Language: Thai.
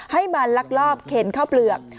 ให้มาลักลอบเข็นข้าวเปลือก